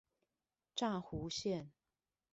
柵湖線